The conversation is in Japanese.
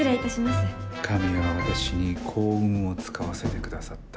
神は私に幸運を遣わせてくださった。